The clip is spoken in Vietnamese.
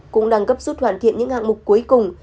cũng đang gấp rút hoàn thiện những hạng mục cuối cùng